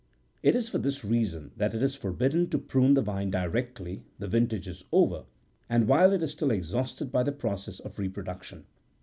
It is for this reason that it is forbidden to prune the vine directly the vintage is over, and while it is still exhausted by the process of reproduction.